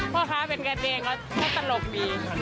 พ่อค้าเป็นกะเตียงก็ตลกดี